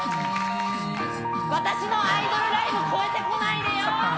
私のアイドルライブ超えて来ないでよ！